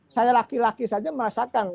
saya laki laki saja merasakan